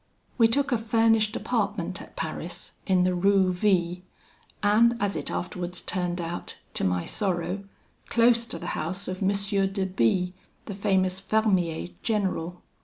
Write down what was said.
"We took a furnished apartment at Paris, in the Rue V , and, as it afterwards turned out, to my sorrow, close to the house of M. de B , the famous Fermier general.